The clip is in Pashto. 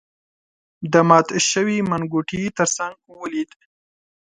د مات شوی منګوټي تر څنګ ولید.